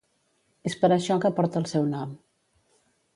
És per això que porta el seu nom.